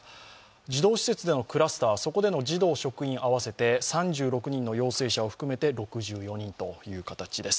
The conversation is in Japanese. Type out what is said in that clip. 児童施設でのクラスター、そこでの児童、職員合わせて３６人の陽性者を含めて６４人という形です。